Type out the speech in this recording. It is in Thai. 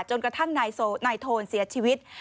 จนกระทั่งนายโทนเสียชีวิต